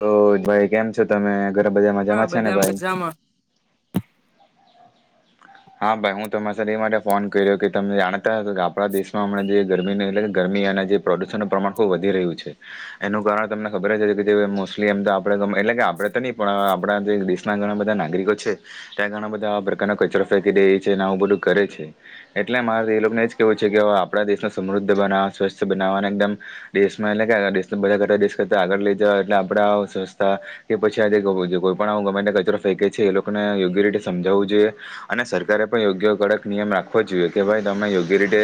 તો ભાઈ કેમ છો તમે ઘર બધામાં હા જમા છેને બધા ભાઈ મજામાં હા ભાઈ હુ, તમારે સર એ માટે ફોન કર્યો કે તમે જાણતા હતો કે આપણા દેશમાં હમણાં જે ગરમીની એટલે કે ગરમી અને જે પ્રદૂષણ નનુ પ્રમાણ ખુબ વધી રહ્યુ છે. એનું કારણ તમને ખબર કે જે મોસ્ટલી એમ આપણે એટલે કે આપડે તો નહી પણ આપણા જે ઘણા બધા નાગરિકો છે ત્યાં ઘણા બધા આ પ્રકારનો કચરો ફેંકી દે છેને આવું બધું કરે છે. એટલે મારે એ લોકોને એ જ કેવું છે, કે આપણા દેશને સમૃદ્ધ બનાવવા સ્વસ્થ બનાવવા એકદમ દેશમાં એટલે કે દેશ બધા કરતાં દેશ કરતા આગળ લઈ જવા એટલે આપણો સ્થા કે પછી આજે કો કોઈ પણ આવું ગમે તે કચરો ફેંકે છે એ લોકોને યોગ્ય રીતે સમજાવવું જોઈએ. અને સરકારે પણ યોગ્ય કડક નિયમ રાખવો જોઈએ કે ભાઈ તમે યોગ્ય રીતે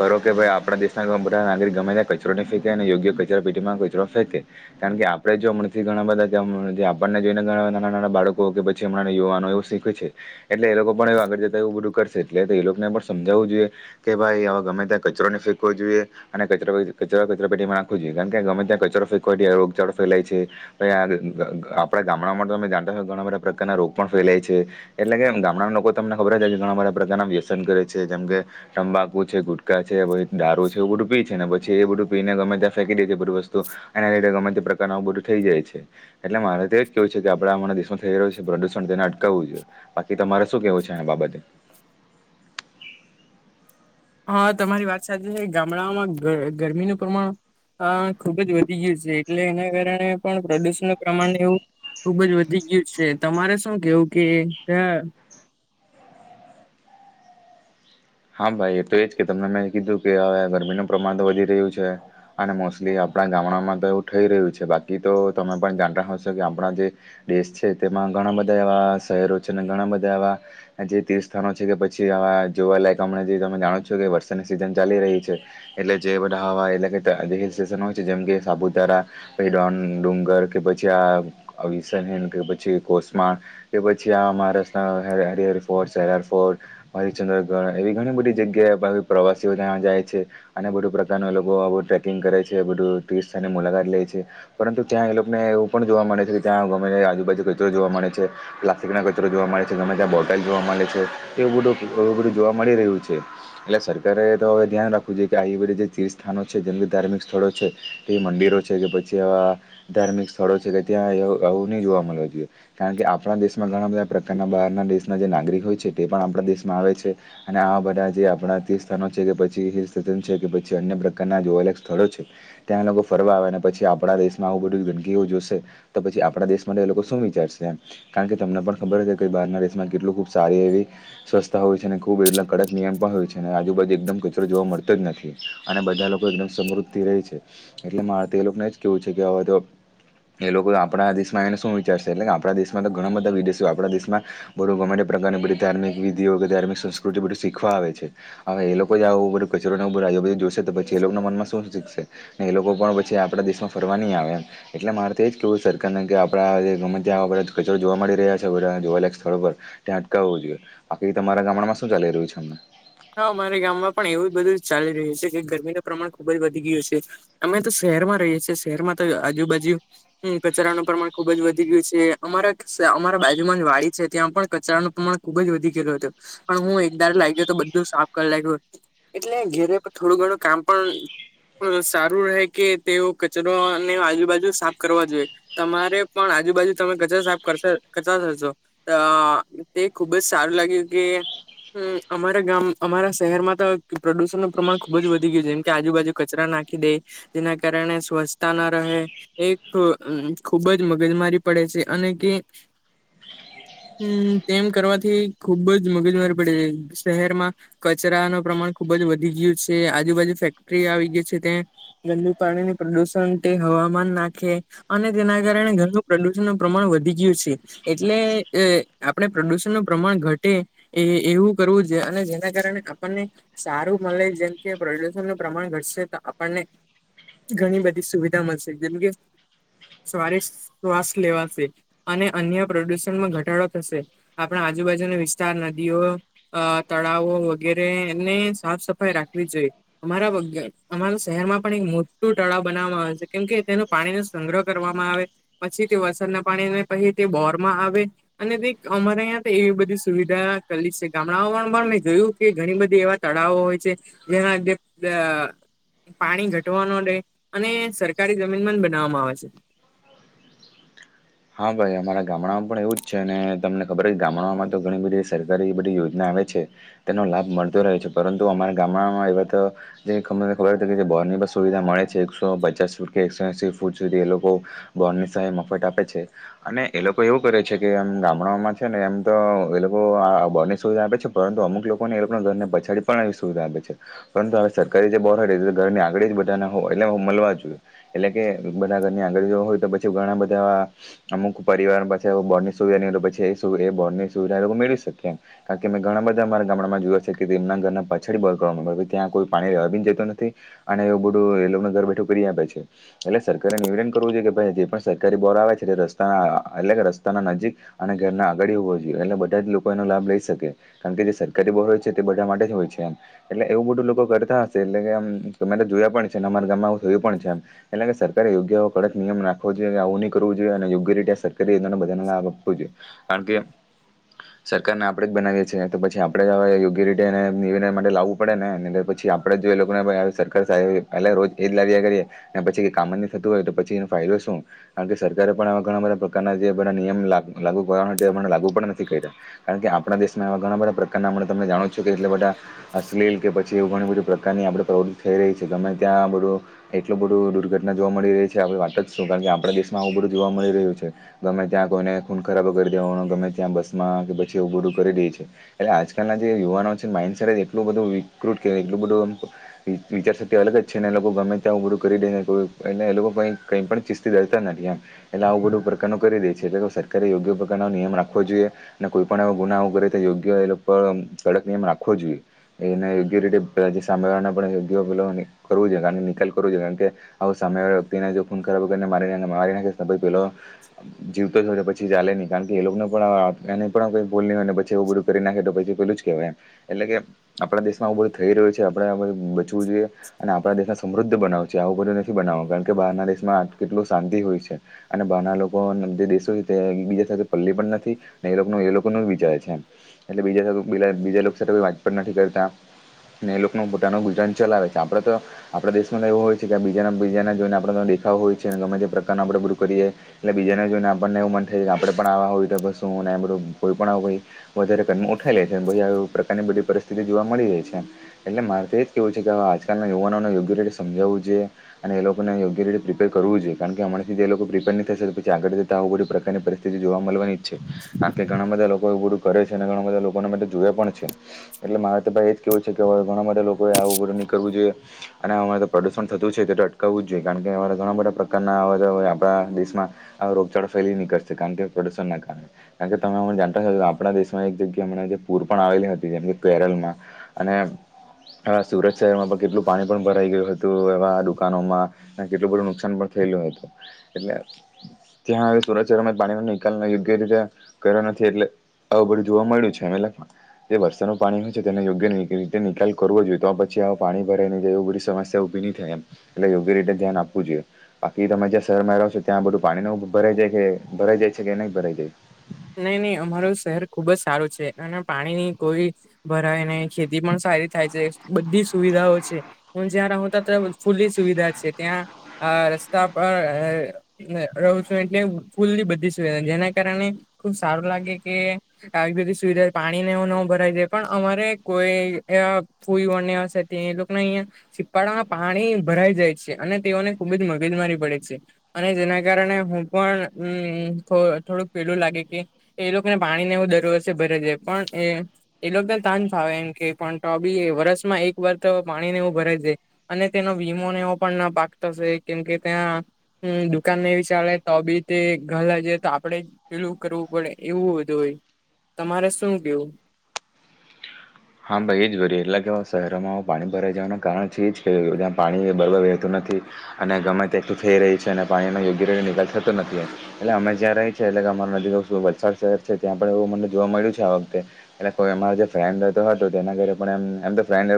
કરો કે ભાઈ આપણા દેશના ગમે બધા નાગરિક ગમે ને કચરો ન ફેંકે અને યોગ્ય કચરા પેટીમાં કચરો ફેકે કારણ કે આપણેે જોમ હમણાં થી ઘણા બધાં ગામ વાળા જે આપણને જોઈને ઘણા બધા નાના નાના બાળકો કે પછી છે માને યુવાનો એ શીખવે છે એટલે એ લોકો પણ એ આગળ જતા એવું બધું કરશે એટલે તો એ લોકોને પણ સમજાવવું જોઈએ. કે ભાઈ આવા ગમે ત્યાં કચરો નઈ ફેકવો જોઈએ. અને કચરો જ કચરા કચરા પેટી માં રાખવું જોઈ કારણ કે ગમે ત્યાં કચરો ફેકો આ રોગચાળો ફેલાય છે. [inaudible] આપડા ગામડામાં તો તમે જાણતા ઘણા બધા પ્રકારના રોગ પણ ફેલાય છે. એટલે કે ગામડા ના લોકો તમને ખબર છે કે ઘણા બધા પ્રકારના વ્યસન કરે છે જેમ કે તંબાકુ છે ગુટ કા છે પી દારૂ છેવ ઉડપી છેને પછી એ બધું પીને ગમે ત્યાં ફેંકી દે છે બધી વસ્તુ એના લીધે ગમે તે પ્રકારના આવું બધું થઇ જાય છે. એટલે મારે તો એજ કેવું છે કે આપડે અમારા દેશમાં થઈ રહ્યું છે પ્રદુષણ તેને અટકાવવું જોએ બાકી તમારે શું કેવું છે. તા ન બાબતે. હા તમારી વાત સાચી છે ગામડાઓમાં ગર ગરમીનું પ્રમાણ હ ખુબ જ વધી ગયું છે એટલે એના કારણે પણ પ્રદુષણ નુ પ્રમાણ એવું ખુબ જ વધી ગયું છે તમારે શું કેવું કે અ. હા ભાઈ એ તો એજ કે તમને મેં કીધું કે હવે ગરમીનું પ્રમાણ તો વધી રહ્યું છે. અને મોસ્ટલી આપણા ગામડામાં તો એવું થઈ રહ્યું છે બાકી તો તમે પણ જાણતા હશો કે આપણા જે દેશ છે તેમાં ઘણા બધા એવા શહેરો છે અને ઘણા બધા એવા જે તીર્થ સ્થાનો છે કે પછી આ જોવાલાયક હમણાં જે તમે જાણો છો કે વરસાદની સિઝન ચાલી રહી છે. એટલે જે બધા હવા એટલે કે તો હિલ સ્ટેશન હોય છે જેમ કે સાપુતારા પેડોન ડુંગર કે પછી આ અવિશનિય કે પછી કોસમા એ પછી આ મહારાષ્ટ્ર હરિહર ફોર્ટ સાર ફોર્ટ હરિચંદ્રગઢ એવી ઘણી બધી જગ્યાએ પ પ્રવાસીઓ જ્યાં જાય છે. અને બધું પ્રકાર નુ એ લોકો આવો ટ્રેકિંગ કરે છે બધું ટુિ સ્થાની મુલાકાત લે છે. પરંતુ ત્યાં એ લોકોને એવું પણ જોવા મળે છે કે ત્યાં ગમે આજુબાજુ કચરો જોવા મળે છે. પ્લાસ્ટિક ના કચરો જોવા મળે છે ગમે ત્યાં બોટલ જોવા મળે છે એવું બધું એું બધું જોવા મળી રહ્યું છે. એટલે સરકારે તો હવે ધ્યાન રાખવું જોઈ કે આ બધી જે તીથૅ સ્થાનો છે જે ધાર્મિક સ્થળો છે. તે મંદિરો છે કે પછી આવા ધાર્મિક સ્થળો છે કે ત્યાં અ આવું નહી જોવા મળે. કારણ કે આપણા દેશમાં ઘણા બધા પ્રકારના બહારના દેશના જે નાગરિક હોય છે તે પણ આપણા દેશમાં આવે છે. અને આ બધા જે આપણા તીથૅ સ્થાનો છે કે પછી હિલ સ્ટેશન છે કે પછી અન્ય પ્રકારના જોવા સ્થળો છે. ત્યાં એ લોકો ફરવા આવે અને પછી આપણા દેશમાં આવું બધી ગંદકીઓ જોશે તો પછી આપણા દેશ માટે એ લોકો શું વિચારશે એમ કારણ કે તમને પણ ખબર હે કે બહારના દેશમાં કેટલું ખુબ સારી એવી સ્વસ્થતા હોય છે. ખૂબ એટલા કડક નિયમ પણ હોય છે અને આજુબાજુ એકદમ કચરો જોવા મળતો જ નથી અને બધા લોકો એકદમ સમૃદ્ધ ધી રહી છે એટલે મારે તો એ લોકોને જ કેવું છે કે હવે તો એ લોકો આપણા દેશમાં એને શું વિચારશે એટલે કે આપણા દેશમાં તો ઘણા બધા વિદેશઓ આપણા દેશમાં બરો ગમે એ પ્રકારની બઘી ધાર્મિક વિઘિઓ કે ધાર્મિક સંસ્થા બધું શીખવા આવે છે હવે એ લોકો જ આવું બધું કચરોને ને આઉ બઘુ જોશે. તો તો પછી એ લોકોના મનમાં શું શીખશે ને એ લોકો પણ પછી આપણા દેશમાં ફરવા નહી આવે એમ. એટલે મારે તો એ જ કેવું છે સરકારને કે આપણા જે ગમે ત્યાં આપણે કચરો જોવા મળી રહ્યા છે બઘા જોવા લાયક સ્થળો પર ત્યાં અટકાવવું જોઈએ બાકી તમારા ગામડામાં શું ચાલી રહ્યું છે અમને હા મારા ગામમાં પણ એવું બધું જ ચાલી રહ્યું છે કે ગરમીનું પ્રમાણ ખુબ જ વધી ગયું છે. અમે તો શહેર માં રહીએ છીએ શહેરમાં તો આજુબાજુ હમ કચરાનું પ્રમાણ ખુબ જ વધી ગયું છે અમારા સ અમારા બાજુમાં વાડી છે ત્યાં પણ કચરાનું પ્રમાણ ખુબ જ વધી ગયેલો હતો પણ હું એકધારો લાગ્યો તો. બધું સાફ કરી લાયગો એટલે ઘેરે થોડું ઘણું કામ પણ પણ સારું રહે કે તેઓ કચરોને આજુબાજુ સાફ કરવા જોઈએ. તમારે પણ આજુ બાજુ તમે કચરા સાફ કરશો, કચરા [unintelligible] અ તે ખુબ જ સારું લાગ્યું કે અમા ગામ અમારા શહેરમાં તો પ્રદુષણ નું પ્રમાણ ખુબ જ વધી ગયું છે જેમ કે આજુબાજુ કચરા નાખી દે. જેના કારણે સ્વચ્છતા ના રહે. એક ખુબ જ મગજમારી પડે છે અને કે હમમ તેમ કરવાથી ખુબ જ મગજમારી પડે. શહેરમાં કચરા નુ પ્રમાણ ખુબ જ વધી ગીયું છે આજુબાજુ ફેક્ટરી આવી ગયી છે ત્યાં ગંદુ પાણીની પ્રદુષણ તે હવામાન નાખે. અને તેના કારણે ઘરનું પ્રદુષણનુ પ્રમાણ વધી ગયું છે. એટલે આપણેે પ્રદુષણ નું પ્રમાણ ઘટે એવું કરવું અને જેના કારણે આપણને સારું મળે જેમ કે પ્રદૂષણનુ પ્રમાણ ઘટશે તો આપણને ઘણી બધી સુવિધા મળશે જેમ કે સારી શ્વાસ લેવાશે. અને અન્ય પ્રદુષણમાં ઘટાડો થશે. આપણા આજુબાજુના વિસ્તાર, નદીઓ અ તળાવો વગેરે એને સાફ સફાઈ રાખવી જોઈએ. અમારા વગ અમારા શહેરમાં પણ એક મોટું તળાવ બનાવામાં આવે છે કેમ કે તેનું પાણી નો સંગ્રહ કરવામાં આવે પછી તે વરસાદના પાણીને પછી તે બોર માં આવે અને અમારે અયા તો એવી બધી સુવિધા કરેલી છે. ગામડાઓમાં પણ મે જોયું કે ઘણી બધી એવા તળાવો હોય છે જેના જે પાણી ઘટવાનો રહેે અને સરકારી જમીનમાં જ બનાવવામાં આવે છે. હા ભાઈ અમારા ગામડામાં પણ એવું જ છે અને તમને ખબર હો કે ગામડામાં તો ઘણી બધી સરકારી એ બધી યોજના આવે છે. તેનો લાભ મળતો રહે છે પરંતુ અમારા ગામડામાં એવા તો જેમને ખબર કે જે બોરની સુવિધા મળે છે એકસો પચાસ ફૂટ કે એકસો એસી ફૂટ સુધી એ લોકો બોરની સહાય મફત આપે છે. અને એ લોકો એવું કરે છે કે એમ ગામડાઓમાં છે ને એમ તો એ લોકો આ બોરની સુવિધા આપે છે પરંતુ અમુક લોકોને એ લોકો ઘરને પછાડી પણ આવી સુવિધા આપે છે. પરંતુ હવે સરકારી જે બોર તે ઘરની આગળ જ બધા ના હોય એટલે હો મળવા જોઈએ. એટલે કે બધા ઘરની આગાડી હોય તો પછી ઘણા બધા અમુક પરિવાર પછી બોરની સુવિધા એ એ બોરની સુવિધા એ લોકો મેળવી શકે એમ. કારણ કે મે ઘણા બધા અમારા ગામડામાં જોયા છે કે તેમના ઘરના પાછાડી બોર કરવા ત્યાં કોઈ પાણી લેવા પણ જતા નથી. અને એવું બધું એ લોકોને ઘર બેઠું કરી આપે છે. એટલે સરકારે નિવેદન કરવું જોઈએ કે ભાઈ જે પણ સરકારી બોર આવે છે રસ્ત રસ્તા એટલે કે રસ્તાના નજીક અને ઘરના આગળ હોવા જોઈએ એટલે બધા જ લોકો એનો લાભ લઈ શકે. કારણ કે જે સરકારી બોર હોય છે તે બધા માટે જ હોય છે એમ. એટલે એવું બધું લોકો કરતા હશે એટલે કે આમ અમે તો જોયા પણ છે ને અમારા ગામમાં એવું થયું પણ છે એમ. એટલે કે સરકારે યોગ્ય કડક નિયમ નાખવો જોઈએ કે આવું ની કરવુ જોઈએ અને યોગ્ય રીતે સરકારી યોજનાનો બધાને લાભ થવો જોઈએ કારણ કે સરકારને આપડે જ બનાવીએ છીએ ને તો પછી આપણેે જ યોગ્ય રીતે એને નિવેદ માટે લાવવું પડે ને પછી આપડે જ જો એ લોકોને ભાઈ સરકાર સાહેબ પહેલા રોજ એ જ લાવ્યા કરીએ. પછી કામજ ની થતું હોય તો પછી એનો ફાયદો શું કારણ કે સરકારે પણ આ ઘણા બધા પ્રકારના જે બધા નિયમ લાગુ કરવાના તે લાગુ પણ નથી કર્યા. કારણ કે આપણા દેશમાં એવા ઘણા બધા પ્રકારના તમને જાણો છું કે જેટલા બધા અશ્લીલ કે પછી એવી ઘણી બધી પ્રકારની આપડે પ્રવૃત્તિ થઈ રહી છે ગમે ત્યાં બધું એટલું બધું દુર્ઘટના જોવા મળી રહી છે આપણે વાત જ શું કારણ કે આપણા દેશમાં આવું બધું જોવા મળી રહ્યું છે. ગમે ત્યાં કોઈને ખૂન ખરાબ કરી દેવાનો, ગમે ત્યાં બસ માં કે પછી એવું બધું કરી દે છે. એટલે આજકાલના જે યુવાનો છે માઇન્ડસેટ એટલું બધું વિકૃત કેય એટલું બધું વિચારશક્તિ અલગ જ છે ને લોકો ગમે ત્યાં આવું બધું કરી દે ને એ એ લોકો કઈ કઈ પણ કિ તા નથી એટલે આવું બધું પ્રકારો નું કરી દે છે એટલે સરકારે યોગ્ય પ્રકારનો નિયમ રાખવો જોઈએ. ને કોઈ પણ એવો ગુનાઓ કરે તો યોગ્ય એ લોકો કડક નિયમ રાખવો જોઈએ. એને યોગ્ય રીતે પેલા જે સાંભળવાના પણ યોગ્ય પેલો નિકાલ કરવો જોઈએ કારણ કે આવ સામે વાળા વ્યક્તિને જો ખૂન ખરાબા કરીને મારી નાખે મારી નાખશ આપડે પેલો જીવતો છો પછી ચાલે નહી કારણ કે એ લોકોને પણ આ એને પણ કોઈ ભૂલ નહીં હોય પછી એવું બધું કરી નાખે તો પછી પેલું જ કેહેવાયમ એટલે કે આપડા દેશમાં ઉડું થઈ રહ્યું છે આપડે આ બધ બચવું જોઈએ અને આપડા દેશના સમૃદ્ધ બનાવ છે આવું બધું નથી બનાવ કારણ કે બહારના દેશમાં કેટલું શાંતિ હોય છે. અને બહારના લોકો જે દેશો છે તે બીજા સાથે પલ્લી પણ નથી. ને એ લોક એ લોકો ન જ વિચાર છે એટલે બીજા બીજા સાથે વાત પણ નથી કરતા. ને એ લોક નું પોતાનો ગુજરાન ચલાવે છે આપડે તો આપડા દેશ માં એવુ હોય છે કે બીજાના બીજના જોઈને આપડે દેખાવ હોય છે ગમે તે પ્રકારના આપ કરીએ એટલે બીજાને જોઈને આપણને એવું મન થાય કે આપડે પણ આવા હોય તો બસ શું ને એ બધું કોઈ પણ આવું કઈ વધારે કર્મ ઉઠાઈ લે છે આવી પ્રકારની બધી પરિસ્થિતિ જોવા મળી રહી છે. એટલે મારે તો એ જ કેહેવું છે કેવે આજકાલના યુવાનોને યોગ્ય રીતે સમજાવવું જોઈએ અને એ લોકોને યોગ્ય રીતે પ્રિપેર કરવું જોઈએ કારણ કે હમણા થી એ લોકો પ્રિપેરહી નહીં કરી શકે પછી આગળ જતાં હું બધું પ્રકારની સ્થિતિ જોવા મળવાની ઈ્ છે આંખે ઘણા બધા લોકો આવું બધું કરે છે અને ઘણા બધા લોકોને મે જોયા પણ છે. એટલે મારે તો ભાઈ એજ કેવું છે કેવે ઘણા બધા લોકોએ આવું બધું નહીં કરવું જોઈએ. અને અમારે તો પ્રદુષણ થતું છે તો અટકાવું જ જોઈએ કારણ કે અમારા ઘણા બધા પ્રકારના આવા બધા તા દેશમાં રોગચાળો ફેલી નીકળશે કારણ કે પ્રદૂષણના કારણે. કારણ કે તમે હમને જાણતો કે આપણા દેશમાં એક જગ્યા હમણાં જે પૂર પણ આવેલી હતી જેમ કે કેરલમાં અને અહ સુરત શહેરમાં પણ કેટલું પાણી પણ ભરાઈ ગયું હતું એવા દુકાનોમાં અને કેટલું બધું નુકસાન પણ થયેલું હતું એટલે ત્યાં હવે સુરત શહેરોમાં પાણીનો નિકાલ યોગ્ય રીતે કર્યો નથી એટલે આવું બધું જોવા મળ્યું છે અમે લખવા જે વરસાનું પાણી હોય છે તેને યોગ્ય રીતે નિકાલ કરવો જોઈ તો આ પછી આવ પાણી ભરાઈ ને જે એવી બધી સમસ્યા નહીં થાય એમ એટલે યોગ્ય રીતે ધ્યાન આપવું જોઈએ બાકી તમે શહેરમાં રહશે ત્યાં બધું પાણી ન ભરાઈ જાય કે ભરાઈ જાય છે કે નહી ભરાઈ જાય? નહી નહી અમાર શહેર ખુબ જ સારું છે અને પાણીની કોઈ ભરાય નઈ ખેતી પણ સારી થાય છે બધી સુવિધાઓ છે. હું જ્યાં રહું તો ફુલ્લી સુવિધા છે ત્યાં અહ રસ્તા પર અહ અહ અહ રહું છું એટલે ફુલ્ની બધી સુવિધા જેના કારણે ખુબ સારું લાગે કે આવી બધી સુવિધા પાણીને એવું નો ભરાય જાય પણ અમારે કોઈ અહ ફૂલ વનનિયાસ હતી એ લોક ને અહીંયા સીપાળમાં પાણી ભરાઈ જાય છે અને તેઓને ખુબ જ મગજ મારી પડે છે. અને જેના કારણે હું પણ અમ્મ અમ્મ થોડો થોડુંક પેલું લાગે એ લોકોને પાણીને હું દર વર્ષે ભરે જાય પણ એ એ લોકો તો તાજ ફાવે એમ કે પણ તો બી વરસમાં એક વાર તો પાણી ને એવું ભરાય દે અને તેનો વીમોને એવો પણ પાક થશે કેમ કે ત્યાં હમ્મ દુકાન નને વિ ચાલે તો બી તે ગરજ તો આપડે પેલું કરવું પડે એવું બધું હોય. તમારે શું કેવું? હા, ભાઈ એ જ બએ એટલે કે હ શહેરોમાં હ પાણી ભરાઈ જવાનું કારણ છે એ જ ક ત્યાં પાણી બરાબર વહેતું નથી અને ગમે તે એકલું થઈ રહી છે અને પાણીનો યોગ્ય રીતે નિકાલ થતો નથી. એટલે અમે જ્યાં રહી એટલે કે અમાર નજી વલસાડ શહેર છે ત્યાં પણ એવું મને જોવા મળ્યું છે આ વખતે એટલે અમારો જે ફ્રેન્ડ હતો તો તેના ઘરે પર એમ એમ તો ફ્રેન્ડ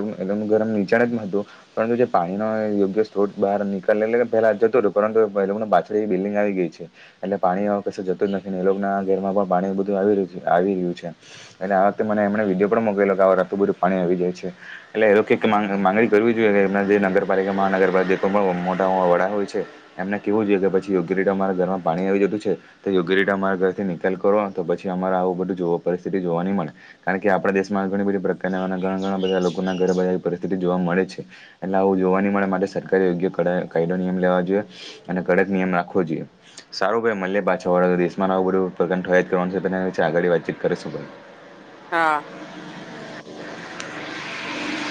ગરમ નીચાણ જ હતું પરંતુ જે પાણીનો યોગ્ય સ્ત્રોત બહાર નીકળે એટ પહેલા જતોું હતું પરંત લોકોને પાછળ બિલ્ડિંગ આવી ગઈ છે. એટલે પાણી કશ જતું જ નથી ને એ ના ઘર માં પણ પાણી બધું આવી રયું આવી રહ્યું છે. એટલે આ વખતે મને એમને વિડીયો પણ મોકલો કે આ રાતો બરું પાણી આવી જાય છે. એટલે એ લોગ માંગણી કરવી જોઈએ કે એમ નગરપાલિકામાં નગરપાલિકા પણ મોટા વડા હોય છે. એમને કેવું જોઈએ પી યોગ્ય રીડ મારા ઘરમાં પાણી આવી જતું છે. તો યોગ્ય રીતે અમારા ઘરથી નિકાલ કરો પછી અમારે આવું બધું જો પરિસ્થિતિ જોવા નહી મળે. કારણ કે આપડા દેશ માં ઘણી બધી પ્રકારના ઘણા ઘણા બધા લોકો ઘણા બધા પરિસ્થિતિ જોવા મળે છે. એટલે આવું યુવાની મળે માટે સરકારે યોગ્ય કાયદો નિયમ લેવા જોઈએ. અને કડક નિયમ રાખવો જોઈએ. સારું ભાઈ મલે પાછા વાળા દેશમાં આવું બધું [inaudible] કરવાનું છે આગળ વાતચીત કરશું ભાઈ હા